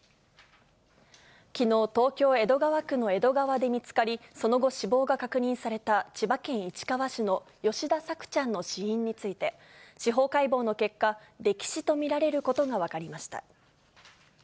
きのう、東京・江戸川区の江戸川で見つかり、その後、死亡が確認された千葉県市川市の吉田朔ちゃんの死因について、司法解剖の結果、溺死と見られることが分かりました。